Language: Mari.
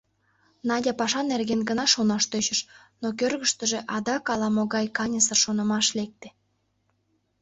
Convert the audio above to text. Надя паша нерген гына шонаш тӧчыш, но кӧргыштыжӧ адак ала могай каньысыр шонымаш лекте.